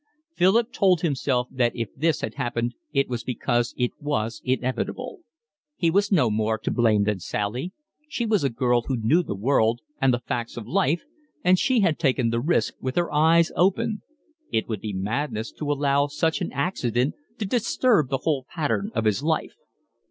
Philip told himself that if this had happened it was because it was inevitable. He was no more to blame than Sally; she was a girl who knew the world and the facts of life, and she had taken the risk with her eyes open. It would be madness to allow such an accident to disturb the whole pattern of his life.